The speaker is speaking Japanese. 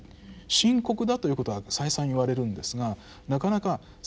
深刻だということは再三言われるんですがなかなかされない。